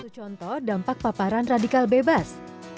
satu contoh dampak paparan radikal bebas